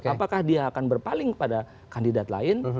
apakah dia akan berpaling kepada kandidat lain